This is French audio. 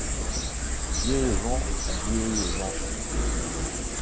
vieilles gens, vieilles gens.